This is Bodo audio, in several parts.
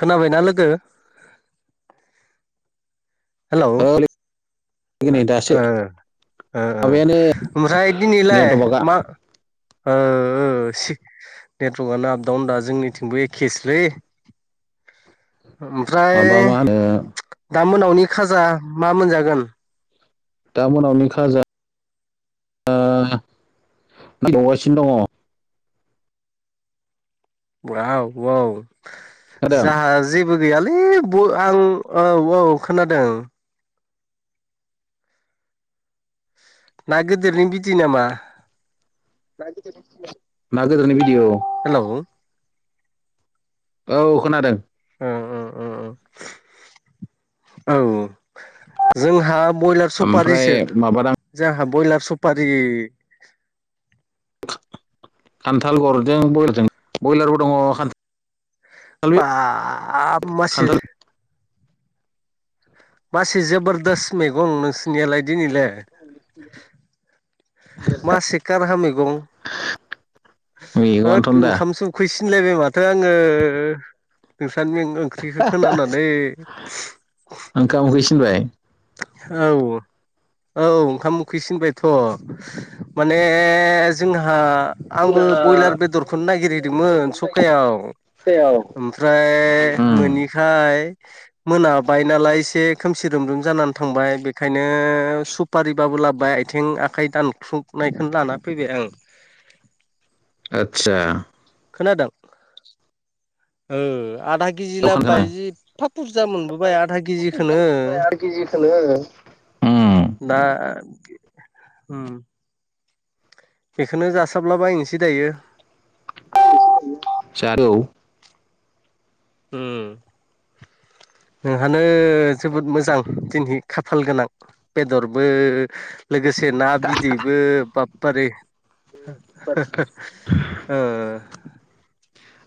खोनाबायना लोगो? हेलौ औ ओ नै दासो ओ ओ ओ माबायानो ओमफ्राय दिनैलाय नेटवर्कआ मा ओ ओ सि नेट्रकानो आप दावन दा जोंनिथिंबो एखेसोलै। ओमफ्राय माबा मा होनो दा मोनावनि खाजा मा मोनजागोन? दा मोनावनो खाजा आ अवगासिनो दङ। ब्राव बाव दङ खोनादों जाहा जेबो गैयालै बु आं औ औ खोनादों। ना गोदोरनि बिदै नामा? ना गोदोरनि बिदै औ हेलौ औ खोनादों। ओं ओं उम उम औ जोंहा बयलार ओमफ्राय सुपारिसो माबादां जोंहा बयलार सुपारि खान्थाल गरजों ब्रयलारजों ब्रयलारबो दंङ खान्थाल बाब मा एसे खान्थाल मासि जबोरदस्त मैगं नोंसोरनियालाय दिनैलै औ मा एसे काराहा मैगं मेगनथन होद दा ओंखामसो उखोयसिनलायबाय माथो आङो नोंसानि ओं ख्रिखो खोनानानै ओंखाम उहैसिनबाय औ औ ओंखाम उखैसिनबायथ' माने जोंहा आंबो बयलार बेदरखौनो नागिरहैदोंमोन सखायाव ओमफ्राय उम मोननि खाय मोनाबाय नालाय एसे खोमसि रोम रोम जानानै थांबाय बेखायनो सुपारिबाबो लाबोबाय आथिं आखाइ दानख्लुबनायखौनो लाना फैबाय आं आदसा खोनादों ओ आधा केजि खोनादों लाबोबाय एफा बुरजा मोनबोबाय आधा केजिखोनो केजिखोनो दा उम बेखोनो जासाबला बबायनोसै दायो। जा औ उम नोंहानो जोबोद मोजां दिनै खाफाल गोनां बेदरबो लोगोसे ना बिदैबो बाबपारे [unintelligible] ओ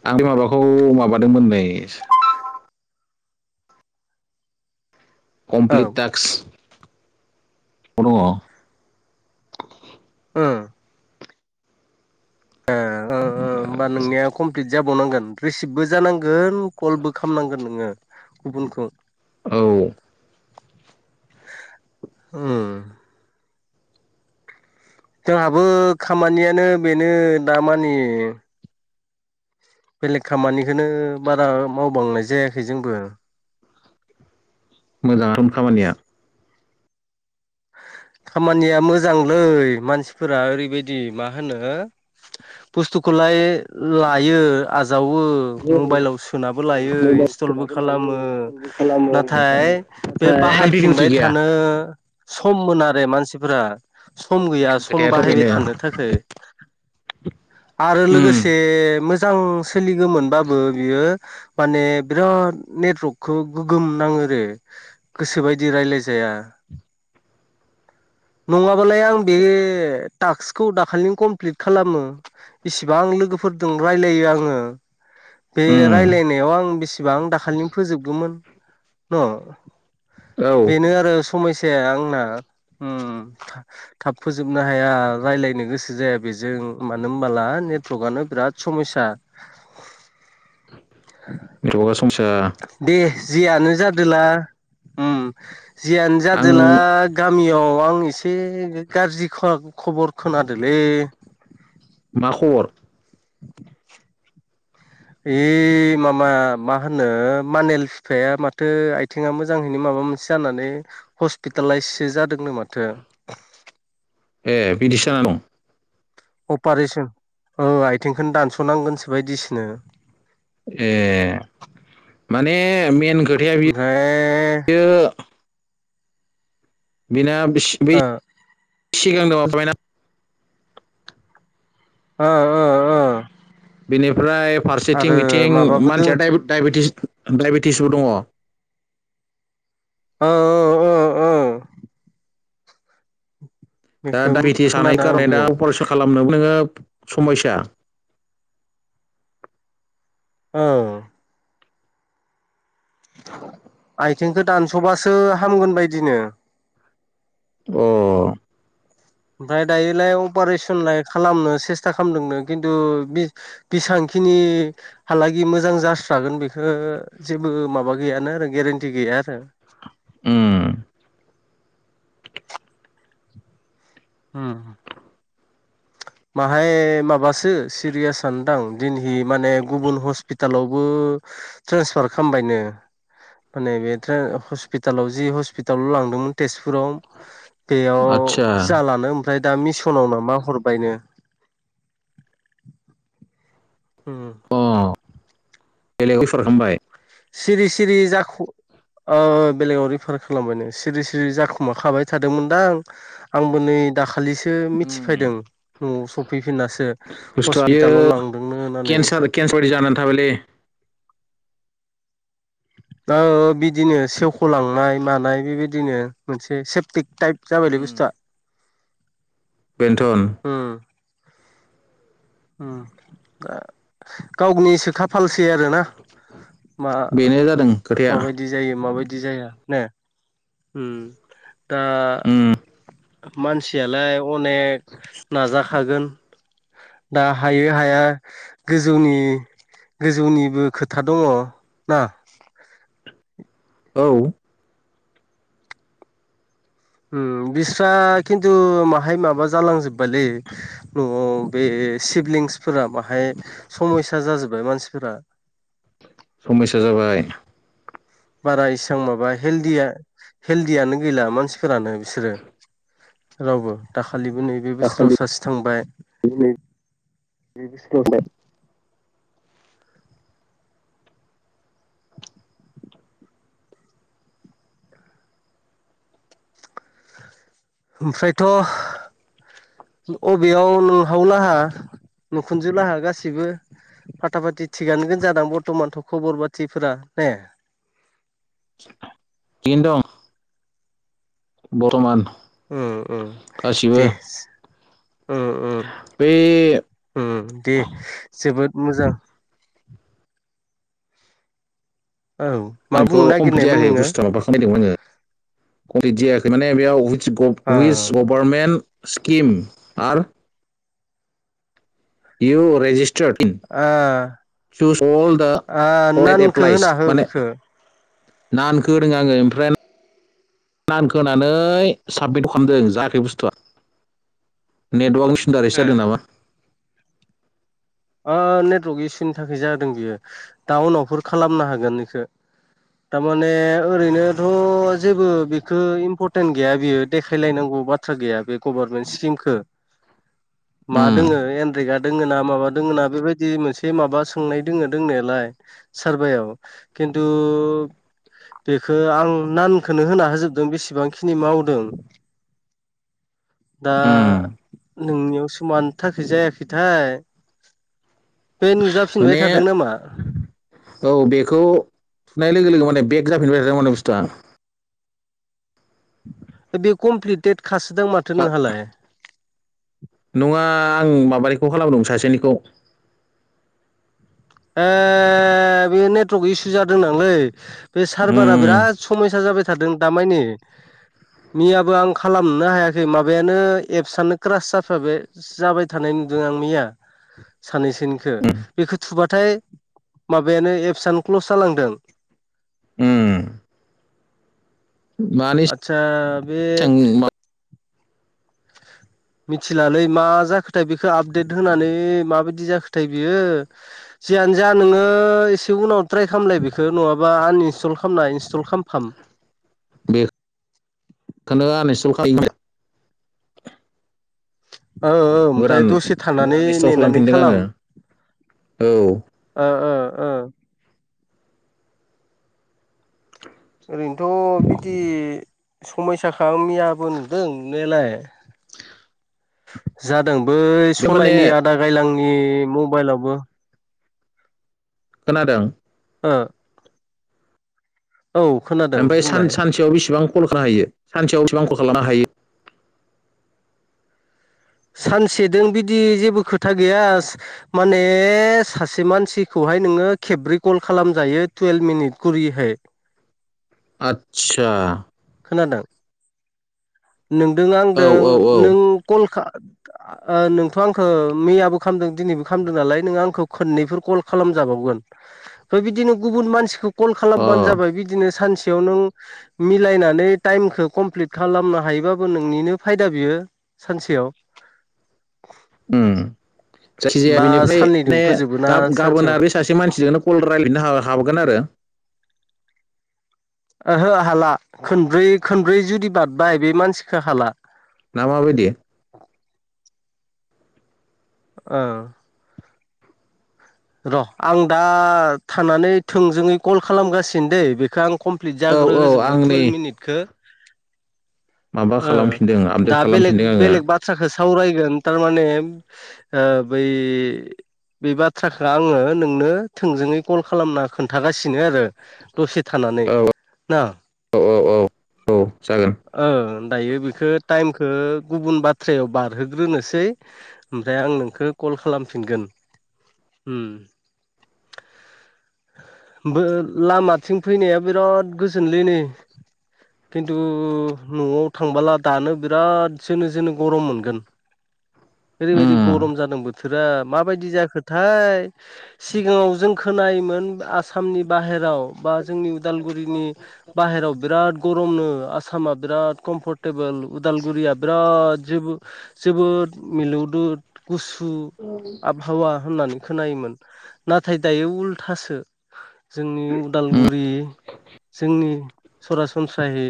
आं बे माबाखौ माबादोंमोन नै औ कमप्लिट टास्क दंङ' ओ ओ ओ होमबा नोंनिया कमप्लिट जाबावनांगोन रिसिभबो जानांगोन कलबो खालामनांगोन नोंङो गुबुनखौ औ ओं जोंहाबो खामानियानो बेनो दामानि बेलेग खामानिखौनो बारा मावबांनाय जायाखै जोंबो मोजां खामानिया खामानिया मोजांलै मानसिफोरा ओरैबायदि मा होनो बुस्थुखोलाय लायो। आजावो मबाइलाव सोनाबो लायो इन्स्टलबो खालामो नाथाय बे कन्टिनिउटि बाहायफिनबाय गैया थानो सममोन आरो मानसिफोरा सम गैया मेन सम खोथायाथ' बाहायबाय बेनो थानो थाखाय आरो उम लोगोसे मोजां सोलिगोमोन बाबो बियो माने बिराद नेटवर्कखौ गोगोम नांङो आरो गोसोबायदि रायलायजाया नंङाबालाय आं बे टास्कखौ दाखालि कमप्लिट खालामो इसिबां लोगोफोरजों रायलायो आंङो बे उम रायलायनायाव आं बेसेबां दाखालिनो फोजोबगौमोन न' औ बेनो आरो समयसाया आंना उम थाब फोजोबनो हाया रायज्लायनो गोसो जाया बेजों मानो होनबोला नेटवर्कआनो बिराद समाइसा [unintelligible] दे जियानो जादोला ओम जियानो आं जादोला गामियाव आं एसे गाज्रि खबर खोनादोलै मा खबर? [inaudible] ओइ मामा मा होनो मानेल फिफाया माथो आ आथिंया मोजाङैनो माबा मोनसे जानानै हस्पिटालाइससो जादोंनो माथो ए बिदिसो जाना दं अपारेसन औ आथिंखौनो दानस'नांगोनसो बादिसोनो ए माने मेन खोथाया बियो ओमफ्राय [unintelligible] बेना बै ओ [unintelligible] [unintelligible] ओ बेनिफ्राय फारसेथिं आरो बिथिं माबाबो दों मानसिया दाइबेटिसबो दङ ओ ओ ओ ओ दा बेखौ दडायबेटिस जानायनि खोनादों खारन आंबो दा अपारेसन खालामनो नोङो समयसा औ आथिंखौ दानस'बासो हामगोन बायदिनो अ ओमफ्राय दायोलाय अपारेशनलाय खालामनो सेस्था खालामदोंनो खिन्थु बिसांखिनि हालागि मोजां जास्रागोन बेखौ जेबो माबा गैयानो आरो गेरेन्टि गैया आरो ओम [inaudible] माहाय माबासो सिरियासआनो दां दिनहै माने गुबुन हस्पिटालावबो ट्रेन्सफार खामबायनो माने बे हस्पिटालाव जि हस्पिटालाव लांदोंमोन तेजपुराव बेयाव आदसा जालानो ओमफ्राय दा मिसनाव नामा हरबायनो [unintelligible] अ बेलेग रिफारेन्च खालामबाय सिरि सिरि जाख अ बेलेगाव रिफार खालामबायनो सिरि सिरि जाखुमाखाबाय थादोंमोनदां आंबो नै दाखालिसो उम मिथिफैदों न'आव सफैफिननासो बुस्थुआ बेयो हस्पिटालाव लांदोंनो होननानै [unintelligible] दा बिदिनो सेवख'लांनाय मानाय बेबायदिनो मोनसे सेफटिक टाइप उम जाबायलै बुस्थुआ [inaudible] बेनथन ओम ओम दा गावनिसो खाफालसै आरोना मा बेनो जादों खोथाया माबायदि जायो माबायदि जाया ने ओम दा उम मानसियालाय अनेक नाजाखागोन दा हायो हाया गोजौनि गोजौनिबो खोथा दङ ना औ बिस्रा खिन्थु बाहाय माबा जालांजोब्बायलै न'आव बे सिभलिंसफोरा बाहाय समयसा जाजोबबाय मानसिफोरा समासा जाबाय। बारा इसां माबा हेल हेलदियानो गैला मानसिफोरानो बिसोरो। रावबो दाखालिबो नैबे बोसोराव सासे थांबाय। [unintelligible] ओमफ्रायथ' अबेयाव नों हाव लाहा नोंखुनजो लाहा गासिबो फााथा फाटि थिगानो गोन जादों बरथमानथ' खबर बाथिफोरा ने? थिगैनो दं। बरथमान। ओम ओम देस ओम ओम बे ओम दे जोबोद मोजां। ओं आं बेखौ कमप्लिट जायाखै बुस्थुवआ माबा खालामनायदोंमोन आङो कमप्लिट जायाखै माने बेयाव उथ ओ गब उइिस गभर्मेन्ट स्किम आरो आर इउ रेजस थार आ थुस अल दा आ अ नानखौ एप्लाइस होना हो माने बेखौ नानख होदों आङो ओमफ्राय नानखोनै साबमिट खालामदों जायाखै बुस्थुआ। नेटवार्कनि इसुनि दारैसो जादों नामा? ओ नेटवर्क इसुनि थाखाय जादों बियो डाउनावफोर खालामनो हागोन इखौ। थारमाने ओरैनोथ' जेबो बेख इम्परटेन्ट गैया बियो देखायलायनांगौ बाथ बाथ्रा गैया बे गभारमेन सिकिम खौ उम मादों एरेा दङा माबा दोङ ना बेबायदि मोनसे माबा सोंनाय दोङो दोंनायालाय। सारभायाव खिन्थु बेखौ आं नानखौनो होना होजोबदों बेसेबांखिनि मावदों। दा उम नोंनियाव मिनि थाखाय जायाखैथाय। बे नुजाफिनबाय माने थादों नामा? औ बेखौ सुनाय लोगो लोगो माने बेग जाफिनबाय थादों माने बुस्थुआ। बे कमप्लिटेट खासोदां माथो नोंहालाय? नङा आं माबानिखौ खालामदों सासेनिखौ। ए बे नेटवर्क इसु जादों नांलै। बे सारभारा उम बिराद समयसा जाबाय थादों दामानि। मैयाबो आं खालामनोनो हायाखै माबायानो एपसनो क्रासाबाय। जाबाय थानाय नुदों आं मैया। सानैनसोनिखौ बेखौ थुबाथाय माबायानो एबसनो क्लस जालांदों। ओम आतसा बे सिगां मिथिलालै मा जाखोथाय बेखौ आपडेट होनानै माबायदि जाखोथाय बियो। जियानो जा नोङो एसे उनाव ट्राइ खालामलाय बेखौ नङाबा आनइनस्टल खालामना इनस्टल खालामफाम। खो आन इनसथल खायो। ओ ओ ओमफ्राय गोदान दसे थानानै गोदान इनस्टल नेनानै खालामफिनदों आङो खालाम। औ ओं ओं ओं ओरैनोथ' बिदि समयसााख मैयाबो नुदों नुनायालाय। जादों बै बे माने सनानि आदा गायलांनि मबाइलावबो। खोनादों? ओ औ खोनाद ओमफ्राय सान सानसेयाव बेसिबां कल खालामनो हायो सानसेयाव बेसेबां कल लानो हायो? सानसेजों बिदि जेबो खोथा गैया। माने सासे मानसिखौहाय नोङो खेब्रै कल खालामजायो टुयेल्भ मिनिट कररिहाय। आदसा। खोनादों? नोंदों औ आंदों औ औ नों कल खा नोंथ' आंखौ मैयाबो खालामदों दिनैबो खालामदों नालाय नोंो आंखौ खननैफोर कल खालामजाबावगोन। बेम बिदिनो गुबुन मानसिखौ कल अ खालामबानो जाबाय बिदिनो सानसेयाव नों मिलायनानै टाइमखौ कमप्लिट खालामनो हायोबाबो नोंनिनो फायदा बियो सानसेयाव। जायखिजाया बा बेनिफ्राय साननैजों मे फोजोबो ना गाबोन सानसेयाव आरो बे सासे मानसिजोंनो कल रायज्लायनो हाबगोन आरो। ओहो हाला खनब्रै खनब्रै जुदि बारबाय बे मानसिखो हाला। ना माबायदि? [inaudible] र' आं दा थानानै थोंजोङै कल खालामगासिनो द बेखौ आं कमप्लिट औ औ आं जाग्रोजोबनो नै टुवेल्भ मिनिटखौ। माबा अ खालामफिनदों आपडेट दा बेल खालामफिनदों आङो बेलग ब बाथ्राखौ सावरायगोन थारमाने बै बे बाथ्रा बाथ्राखौ आङो नोंनो थोंजोङै कल खालामना खोन्थागासिनो आरो। दसे थानानै औ ना। औ जागोन ओं दायो बेखौ टाइमखौ गुबुन बाथ्रायाव बारहोग्रोनोसै। ओमफ्राय आं नोंखौ कल खालामफिनगोन। उम लामाथिं फैनाया बिराद गोजोनलै नै खिन्थु न'आव थांबोला दानो बिरादसोनो जोंो गरम मोनगोन। ओरैबायदि गरम उम जादों बोथोरा माबायदि जाखो थायथाय सिगाङाव जों खोनायोमोन। आसामनि बाहेराव बा जोंनि उदालगुरिनि बाहेरायाव बिराद गरमनो आसामा बिराद कमफर्ट टेबोल उदालगुरिया बिराद जोबो जोबोद मिलौदु गुसु औ। हावा होननानै खोनायोमोन नाथाय दायो उल्थासो जोंनि उदालगुरि जोंनि सरासनस्रायै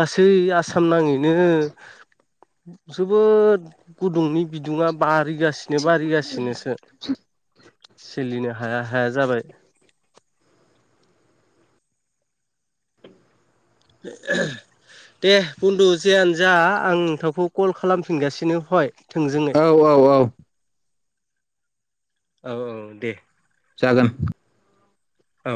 गासै आसाम नाङैनो जोबोद गुदुंनि बिदुङा बारिगासिनो बारिगासिनोसो। सोलिनो हाया हाया जाबाय। [inaudible] दे बन्दु जेयानो जा आं नोंथावखौ कल खालामफिनगासिनो हय थोंजोङै। औ औ औ। औ औ दे। जागोन औ।